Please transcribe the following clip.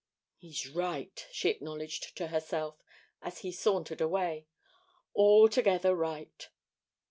"He's right," she acknowledged to herself, as he sauntered away; "altogether right."